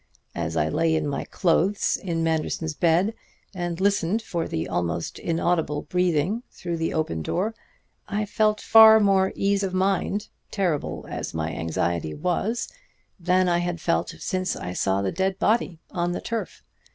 As I lay in my clothes in Manderson's bed and listened for the almost inaudible breathing through the open door I felt far more ease of mind, terrible as my anxiety was, than I had felt since I saw the dead body on the turf.